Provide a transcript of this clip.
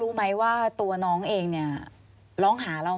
ควิทยาลัยเชียร์สวัสดีครับ